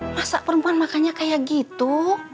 masa perempuan makannya kayak gitu